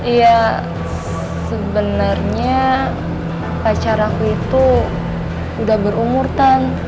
ya sebenarnya pacar aku itu udah berumur tan